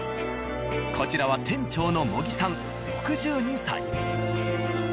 こちらは店長の茂木さん６２歳。